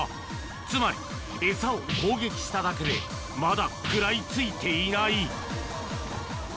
つまり、餌を攻撃しただけで、まだ食らいついていない。